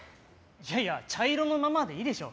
いやいや茶色のままでいいでしょ。